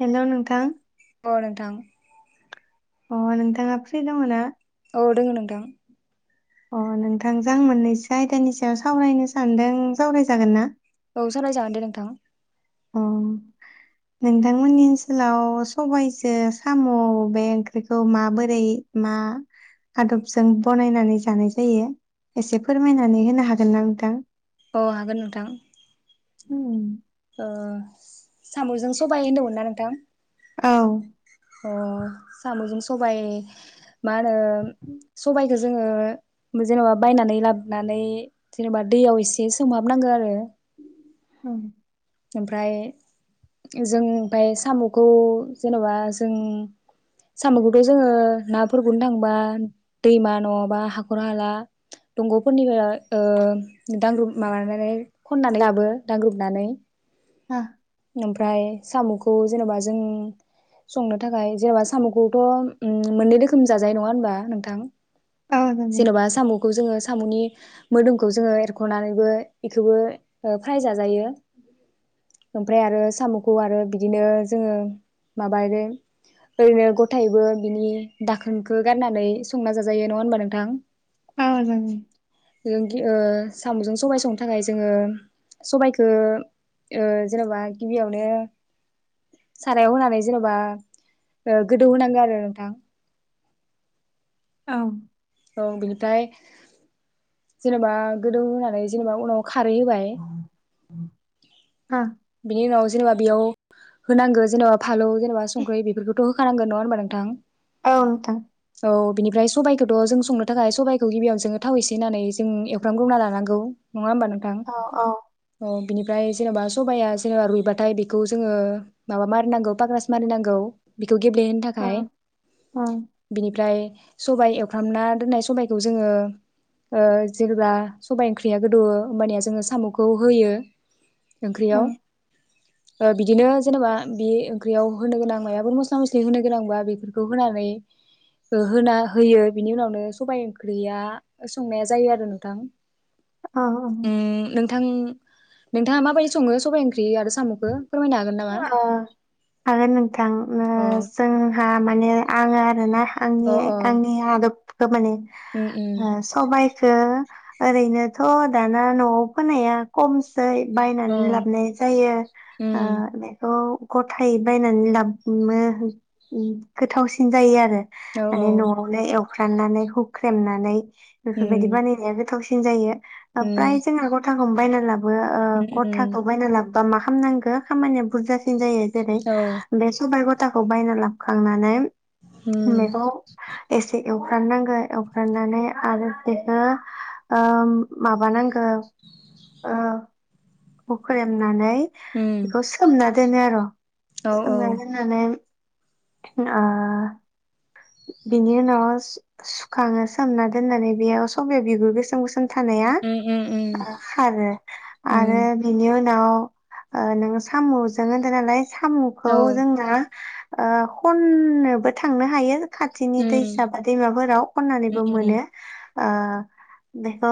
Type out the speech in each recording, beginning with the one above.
Hello नोंथां अ नोंथां अ नोंथाङा फ्रि दङ ना? औ दोङो नोंथां अ नोंथांजों आं मोननैसो आयदानि सायाव सावरायनो सानदों सावरायजागोन ना औ सावराय जागोन दे नोंथां। अ नोंथांमोननि ओनसोलाव सबाइजों साम' बे ओंख्रिखौ माबोरै मा आदबजों बनायनानै जानाय जायो एसे फोरमायनानै होनो हागोन ना नोंथां? अ हागोन नोंथां उम ओ साम'जों सबाइ होनदोंमोन ना नोंथां? औ अ साम'जों सबाइ मा होनो सबाइखो जोङो जेनेबा बायनानै लाबनानै जेनेबा दैयाव इसे से सोमहाबनांगो आरो उम ओमफ्राय जों ओमफ्राय साम'खौ जेनेबा जों साम'खौथ' जोङो नाफोरखौनो थांबा दैमा नङाबा हाखर हाला दंग'फोरनिफ्राय ओ दांग्रुम माबानानै खननानै लाबो दांग्रोमनानै आ ओमफ्राय साम'खौ जेनेबा जों संनो थाखाय जेनेबा साम'खौथ' उम मोननै रोखोमनि जाजायो। नङा होनबा नोंथां? औ जागोन जेनेबा साम' खौ जोङो सामुनि मोदोमखौ जोङो एरख'नानैबो इखोबो ओ फ्राय जाजायो ओमफ्राय आरो साम'खौ आरो बिदिनो जोङो माबा रो ओरैनो गथायैबो बिनि दाखोनखौ गारनानै संना जाजायो नङा होनबा नोंथां अ जाजायो लोंगि ओ साम'जों सबाइ संनो थाखाय जोङो सबाइखो ओ जेन'बा गिबियावनो सारायाव होनानै जेन'बा गोदौ होनांगौ आरो नोंथां औ औ बिनिफ्राय जेनेबा गोदौ होनानै जेनेबा उनाव खारै होबाय आ बिनि उनाव जेनेबा बेयाव होनांगो जेनेबा फालौ जेनेबा संख्रै बेफोरखौथ' होखानांगोन नङा होनबा नोंथां? औ नोंथां औ बिनिफ्राय सबाइखो त' जों संनो थाखाय सबाइखौ गिबियाव जोङो थाव एसे होननानै जों एवफ्राम ग्रोना लानांगौ। नङा होमबा नोंथां औ औ बिनिफ्राय जेनेबा सबाइया जेनेबा रुइबाथाय बेखौ जोङो माबा मारिनांगौ पाग्रास मारिनांगौ बेखौ गेब्लेहोनो औ थाखाय औ बिनिफ्राय सबाइ एव फ्रामना दोननाय सबाइखौ जोङो ओ जेब्ला सबाइ ओंख्रिया गोदौयो होमबानिया जोङो साम'खौ होयो ओंख्रियाव ओ बिदिनो जेनेबा बे ओंख्रियाव होनो गोनां मायबाफोर मस्ला मस्लि होनो गोनांबा बेफोरखौ होनानै ओ होना होयो। बिनि उनावनो सबाय ओंख्रिया संनाया जायो आरो नोंथां अ अ उम नोंथां नोंथाङा माबायदि सङो सबाइ ओंख्रि आरो साम'खो? अ ओ हागोन नोंथां ओ अ जोंहा माने आङो ओ ना अ आंनि अ आंनि आदब खो माने उम उम ओ सबाइ खो ओरैनोथ' दाना न'आव फोनाया खम सै बायनानै ओं लाबाय जायो ओ उम खौ गथायै बायनानै लाबनो गोथावसिन जायो आरो औ माने न'आवलाय एव हुख्राननानै हुख्रेमनानै उम बेफोरबायदि बानायनाया गोथावसिन सिन जायो ओ प्राय जोंङा ग खौनो बायना लाबो बो ओ गथाखौ बायना लाबो बा मा खाम नांगो खामानिया बुरजासिन जायो जेरै बे सबाइ गथ थाखौ बायना लाबखांनानै मेगं एसे एवफ्राम नांगो एवफ्रामनानै आरो बेखो ओ माबा नांगो। हुख्रेम नानै नै बेखौ सोमनानै दोनो आर' सोमना दोननानै अ बिनि उनाव सु-सुखाङो सोमना दोननानै बेयाव सब बिगुर गोसोम गोसोम थानाया उम उम खारो आरो उम बेनि उन दाव ओ नोङो साम'जों होनदों नालाय औ साम'खौ जोंना ओ खननोबो थांनो हायो खाथिनि उम दैसा बा दैमाफोराव खननानैबो उम मोनो ओ बेखौ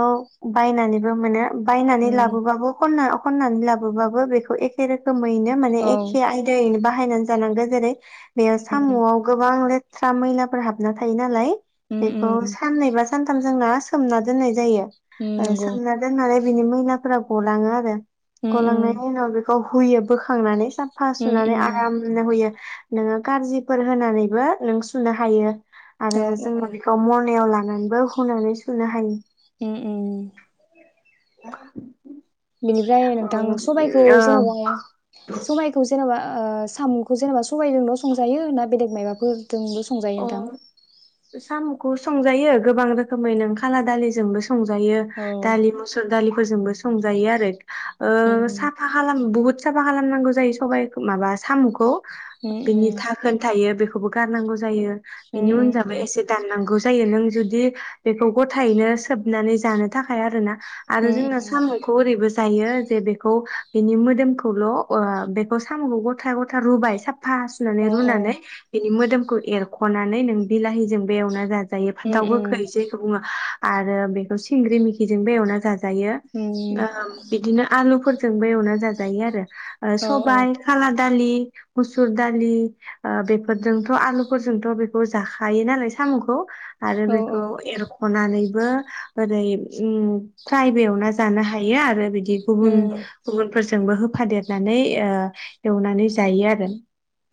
बायनानैबो मोनो। बायनानै लाबोबाबो खननो खननानै लाबोबाबो बेखौ एखे रोखोम मैनो माने औ एखे आयदायैनो बा हायनानै जानांगो जेरै बेयो उम साम'आव गोबां ले बा मैलाफोर हाबना थायो नालाय उम औ उम औ उम बेखौ उम साननैबा सानथाम जोंना सोमना दोननाय जायो। उम ओ नंगौ सोमना दोननानै बिनि मैलाफोरा गलाङो आरो। उम उम गलांनाय उनाव बेखौ हुयो बोखांनानै साफा उम सुनानै उम आरामनो हुयो। नोङो कारजिफोर होनानैबो नों सु सुनो हायो आरो औ जों औ बेखौ मनायाव लानानैबो हुनानै सुनो हायो। उम उम [unintelligible] बिनिफ्राय नोंथां सबाइखौ ओ जेन'बा सबाइखौ जेन'बा ओ साम'खौ जेनेबा सबायजोंल' संजायो ना बेलेग मायबाफोर? जोंल' संजायो ओ नोंथां साम'खौ संजायो गोबां रोखोमै नों खाला दालिजोंबो सं संजायो औ दालि, मुसुर दालि फोरजोंबो संजायो आरो। ओ उम साफा खालाम बहुत साफा खालामनांगौ जायो सबाइ माबा साम'खौ उम बिनि धाखोन थायो बेखौबो गारनांगौ जा जायो उम बेनि उन उम जाबो उम एसे दाननांगौ। जायो नों जुदि बेखौ गथायैनो सोबनानै जानो थाखाय आरो ना आरो उम जोंना सामुखौ ओरैबो जायो जे बेखौ बेनि मोदोमखौल' ओ बेखौ साम'खौ गथा गथा रुबाय सा फा सुनानै उम अ अ रुनानै नि मोदोमखौ एरख'नानै नों बिलाहिजोंबो एवना जा जायो उम फानथाव गोखै उम जैखौ बुङो आरो बेखौ सिंग्रि मिखिजोंबो एवना जा जायो ओ उम बिदिनो आलुफोरजों बो एवना जाजायो आरो ओ औ सबाइ खाला दालि, मुसुर दालि ओ बेफोरजोंथ' आलु फोरजोंथ' बेखौ जाखायो नालाय साम'खौ आरो औ बेखौ औ एरख'नानै बो ओरै उम फ्रायबो एवना जानो हायो आरो बिद दि गुबुन उम गुबुनफोरजोंबो होफादेर नानै ओ एवनानै जायो आरो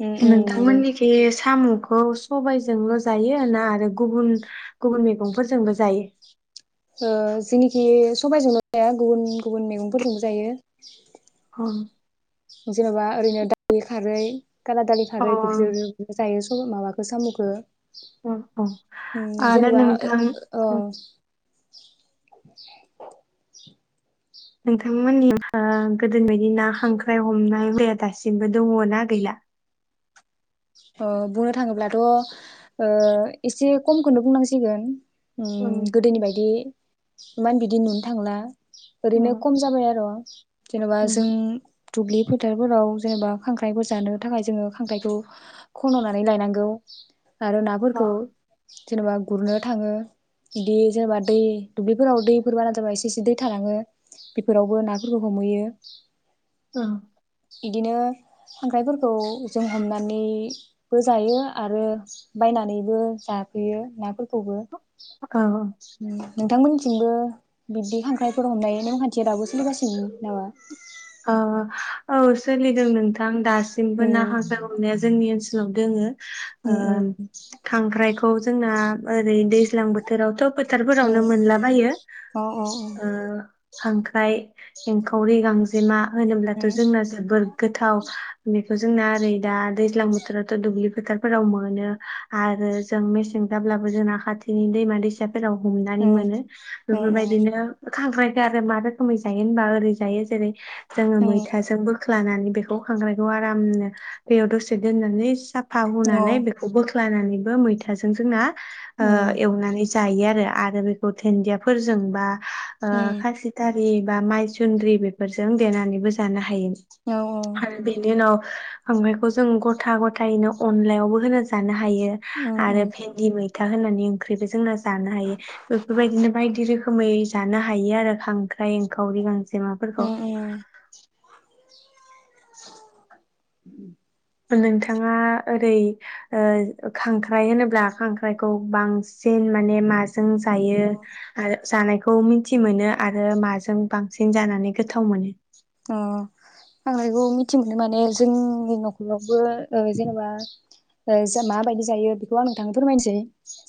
उम उम नोंथां नंगौ मोननिखि सामु खौ सबाइजोंल' जायो ना आरो गुबुन गुबुन मैगंफोरजोंबो जायो? ओ जोंनिखि सबाइजोंल' जाया गुबुन गुबुन मैगंफोरजोंबो जायो। अ जेन'बा ओरैनो दालि खारै काला दालि अ खारै बिसोरजोंबो जायो उम माबाखो साम'खौ अ अ उम आरो जेनेबा नोंथां ओ [inaudible] नोंथांमोननियावहा गोदोनि बायदि ना, हांख्राय हमनाय हुदाया दासिमबो दङ ना गैला? ओ बुंनो थाङोब्लाथ' ओ एसे कमखोनो बुंनांसिगोन उम औ गोदोनि बायदियै इमान बिदि नुनो थांला ओरैनो खम जाबाय आर' जेन'बा जों दुब्लि फोथारफोराव जेनेबा खांख्राइफोर जानो थाखाय जोङो खांख्राइखौ खन'नानै लायनांगौ आरो नाफोरखौ जेनेबा गुरनो थाङो बिदि जेनेबा दै दुब्लिफोराव दैफोर बाना जाबा एसे एसे दै थानाङो बेफोरावबो नाफोरखौ हमहैयो इदिनो खांख्रायफोरखौ जों हमनानै बो जायो आरो बायनानैबो जाफैयो नाफोरखौबो। उम औ नोंथांमोननिथिंबो बिब्दि खांख्राइफोर हमनाय नेमखान्थिया राबो सोलिगासिनो नामा? अ औ सोलिदों नोंथां दासिमबो ना उम हाग्रा हनाया जोंनि ओनसोल [unintelligible] दोङो ओ उम उम खांख्रायखौ खौ जोंना ओै दैजां बोथोरावथ' फोथारफोरावनो उम मोनलाबायो अ ओ खांख्राइ एंखावरि गां जेमा होनोब्लाथ' उम जोंना जोबोर गोथाव बे जोंना ओरै दा दैज्लां बोथोरावथ' दुब्लि फोथारफोराव मोनो आरो जों मेसें जाब्लाबो जोंना खाथिनि दैमा दैसा फोराव हमनानै उम मोनो उम बेफोरबायदिनो खांख्रायखौ आरो मा रोखोमै जायो होनबा ओरै जायो जेरै जोङो मैथाजोंबो ख्लानानै बेखौ खांख्रायखौ आरामनो दैयाव दसे दोननानै सा फावहोनानै बेखौ बोख्लानानै मैथाजों जोंना आ एवनानै जायो आरो आरो बेखौ दुन्दियाफोरजों बा आ उम अ उम खाजि [inaudible] बा माइसुन्द्रि बे फोरजों देनानैबो जानो हायो। औ हायो आरो बेनि उनाव ओमायखौ जों गथा गथायैनो अनलायावबो होनो जानो फायो उम आरो उम भेन्दि बाय फिथा होनानै ओंख्रिबो जोंना जानो हायो बेफोरबायदिनो बायदि रोखोमै जानो हायो आरो खांख्राइ एंखावरि गांजे माबाफोरखौ उम [unintelligible] नोंथाङा ओरै ओ खांख्राइ होनोब्ला खांख्राइखौ बांसिन माने माजों जों जायो अ आरो जानायखौ मिथि मोनो आरो माजों बांसिन जानानै गोथाव मोनो? अ आं बेखौ मिथि मोनो माने जोंनि न' नबो जेनेबा ओ जों माबायदि जायो बेखौ आं नोंथांनो फोरमायनोसै।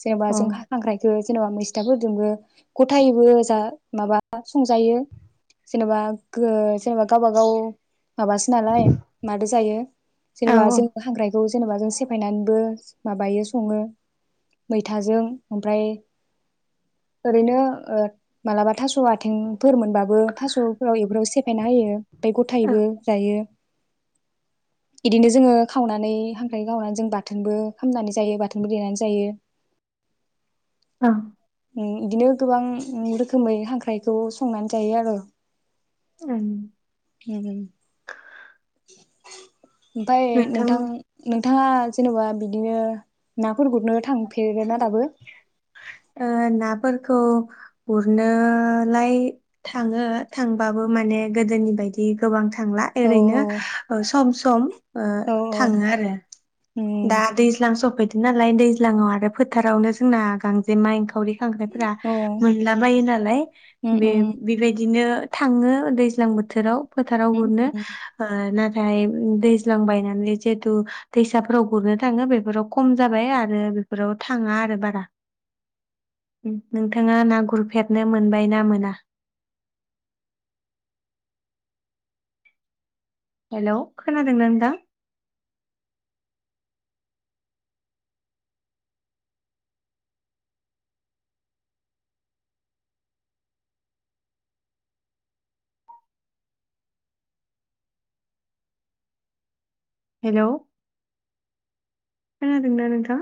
जेनेबा जों औ खांख्रायखो जेनेबा मैस्थाफोरजोंबो गथायैबो जा माबा संजायो जेनेबा गो बा गाबा गाव माबासो नालाय मादो जायो? औ जेनेबा जों हांग्रायखौ जेनेबा जों सेफायनानैबो माबायो सङो मैथाजों ओमफ्राय ओरैनो मालाबा थास' आथिंफोर मोनबाबो थास'फोराव एफ्राव फायना होयो ओमफाय औ गथायबो जायो इदिनो जोङो खावनानै हांख्राय खावनानै जों बाथोनबो खालामामनानै जायो बाथोनबो देनानै जायो आ उम इदिनो गोबां रोखोमै हांख्रायखौ संनानै जायो आर। उम [inaudible] ओमफाय नोंथां नों नोंथाङा जेनेबा बिदिनो नाफोर गुरनो थांफेरदो ना? आ ना फोरफोरखौ गुरनोलाय थाङो थांबाबो माने गोदोनि बायदि गोबांथ थांला औ ओरैनो सम सम [unintelligible] ओ औ थाङो आरो दा दैज्लां सफैदो बिदि नालाय दैज्लाङाव आरो फो फोथारावनो जोंना गांजेमा एंखावरि खांख्रायफोरा औ मोनलाबायो नालाय बे औ बेबायदिनो थाङो दैज्लां बोथोराव फोथाराव गुरनो औ ओ ना ओमफाय दैज्लां बायनानै जिहेतु दैसाफोराव गुरनो थाङो बेफोराव खम जाबाय आरो बेफोराव थाङा आरो बारा नोंथाङा ना गुरफेरनो मोनबाय ना मोना? हेलौ खोनादोंना नोंथां? हेलौ खोनादोंना नोंथां?